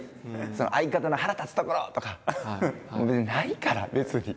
相方の腹立つところとかないから別に。